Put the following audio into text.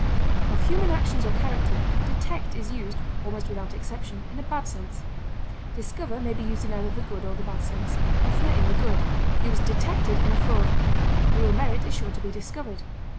Of human actions or character, detect is used, almost without exception, in a bad sense; discover may be used in either the good or the bad sense, oftener in the good; he was detected in a fraud; real merit is sure to be discovered.